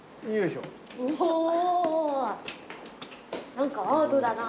何かアートだな。